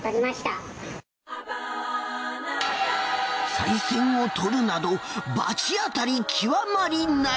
さい銭を盗るなど罰当たり極まりない。